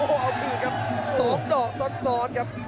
โอ้โหเอาคืนครับ๒ดอกซ้อนครับ